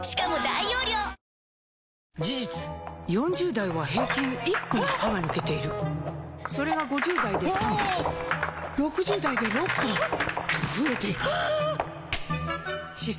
事実４０代は平均１本歯が抜けているそれが５０代で３本６０代で６本と増えていく歯槽